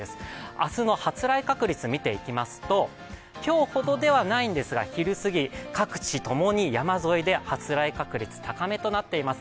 明日の発雷確率を見ていきますと、今日ほどではないんですが、昼すぎ、各地ともに山沿いで発雷確率高めとなっています。